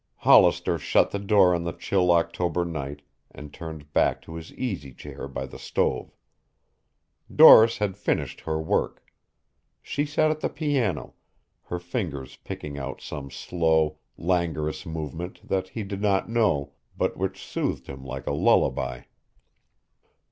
Hollister shut the door on the chill October night and turned back to his easy chair by the stove. Doris had finished her work. She sat at the piano, her fingers picking out some slow, languorous movement that he did not know, but which soothed him like a lullaby.